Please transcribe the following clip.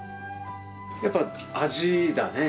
やっぱ味だね。